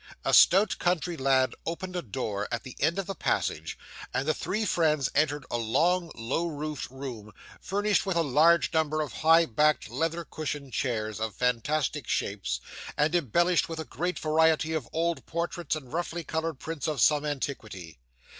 A stout country lad opened a door at the end of the passage, and the three friends entered a long, low roofed room, furnished with a large number of high backed leather cushioned chairs, of fantastic shapes, and embellished with a great variety of old portraits and roughly coloured prints of some antiquity.